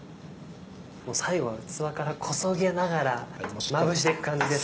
もう最後は器からこそげながらまぶしていく感じですね。